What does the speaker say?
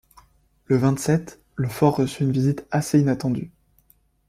Le vingt-sept, le fort reçut une visite assez inattendue.